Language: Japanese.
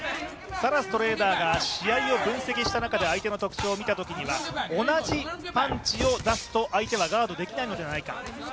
サラストレーナーが試合を分析した中で相手の特徴を見たときには同じパンチを出すと相手はガードできないのではないか。